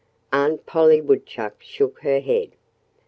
Aunt Polly Woodchuck shook her head.